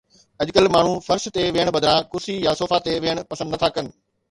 اڄڪلهه ماڻهو فرش تي ويهڻ بدران ڪرسي يا صوفا تي ويهڻ پسند نٿا ڪن